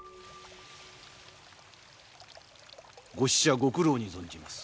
ご使者ご苦労に存じます。